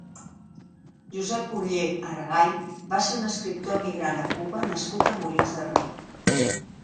Josep Oller Aragay va ser un escriptor emigrant a Cuba nascut a Molins de Rei.